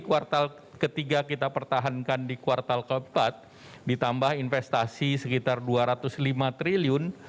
kuartal ketiga kita pertahankan di kuartal keempat ditambah investasi sekitar dua ratus lima triliun